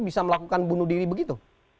bisa melakukan bunuh diri begitu